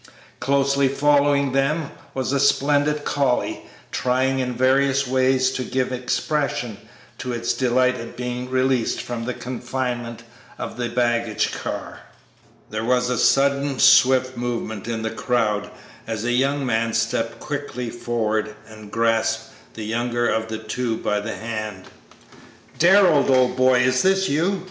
Closely following them was a splendid collie, trying in various ways to give expression to his delight at being released from the confinement of the baggage car. There was a sudden, swift movement in the crowd as a young man stepped quickly forward and grasped the younger of the two by the hand. "Darrell, old boy! is this you?"